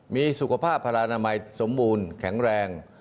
มีสุขภาพพลนามัยสมบูรณ์แข็งแรง